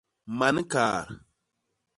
Man kaat.